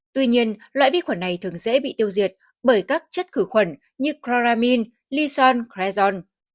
tuy nhiên loại vi khuẩn này thường dễ bị tiêu diệt bởi các chất khử khuẩn như chloramine lysol crezon